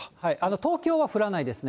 東京は降らないですね。